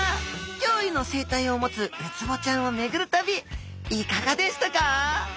きょういの生態を持つウツボちゃんをめぐる旅いかがでしたか？